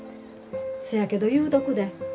せやけど言うとくで。